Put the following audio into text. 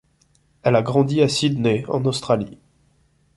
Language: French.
Elle a grandi à Sydney en Australie.